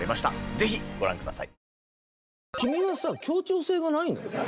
是非ご覧ください。